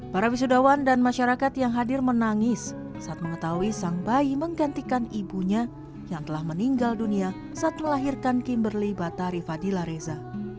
para wisudawan dan masyarakat yang hadir menangis saat mengetahui sang bayi menggantikan ibunya yang telah meninggal dunia saat melahirkan kimberly batari fadila reza